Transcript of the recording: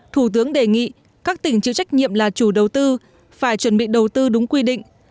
thủ tướng đề nghị các tỉnh chịu trách nhiệm là chủ đầu tư phải chuẩn bị đầu tư đúng quy định